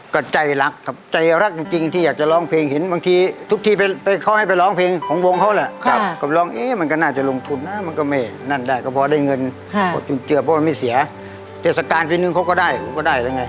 ก็ใจรักครับใจรักจริงที่อยากจะร้องเพลงเห็นบางทีทุกทีเขาให้ไปร้องเพลงของวงเขาแหละก็ร้องเอ๊ะมันก็น่าจะลงทุนนะมันก็ไม่นั่นได้ก็พอได้เงินเกือบเพราะมันไม่เสียเทศกาลปีนึงเขาก็ได้ผมก็ได้แล้วไง